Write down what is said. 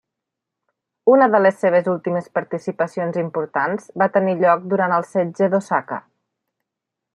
Una de les seves últimes participacions importants va tenir lloc durant el setge d'Osaka.